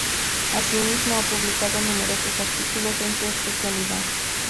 Asimismo, ha publicado numerosos artículos en su especialidad.